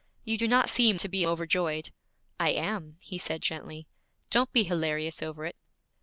'You do not seem to be overjoyed.' 'I am,' he said gently. 'Don't be hilarious over it.'